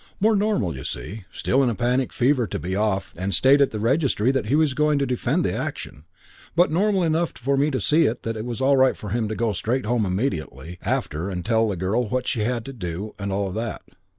More normal, you see: still in a panic fever to be off and state at the Registrar's that he was going to defend the action; but normal enough for me to see it was all right for him to go straight on home immediately after and tell the girl what she had to do and all that.